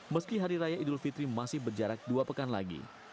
meski hari raya idul fitri masih berjarak dua pekan lagi